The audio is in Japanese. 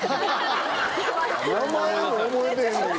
名前も覚えてへんのに。